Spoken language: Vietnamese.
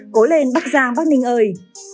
cố lên bắc giang bắc ninh ơi